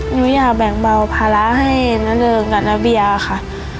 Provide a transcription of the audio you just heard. หนูอยากแบ่งเบาภาระให้น้าเริงกับน้าเบียค่ะ